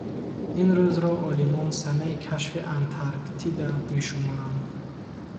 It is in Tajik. Ин рӯзро олимон санаи кашфи Антарктида мешуморанд.